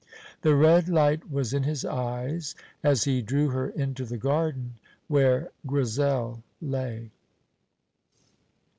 The red light was in his eyes as he drew her into the garden where Grizel lay.